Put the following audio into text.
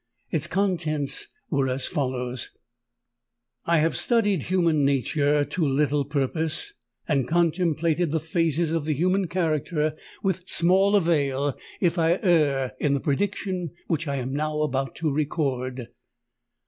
Its contents were as follow:— "I have studied human nature to little purpose, and contemplated the phases of the human character with small avail, if I err in the prediction which I am now about to record.